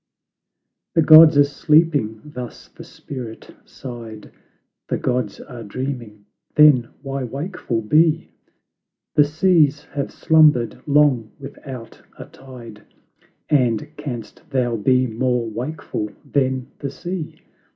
"The Gods are sleeping," thus the spirit sighed; "The Gods are dreaming," then why wakeful be? The seas have slumbered long without a tide, And canst thou be more wakeful than the sea?